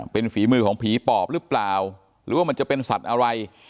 เป็นฝีมือของผีปอบหรือเปล่าหรือว่ามันจะเป็นสัตว์อะไร